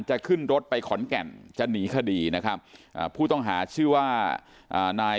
จะขึ้นรถไปขอนแก่นจะหนีคดีนะครับผู้ต้องหาชื่อว่านาย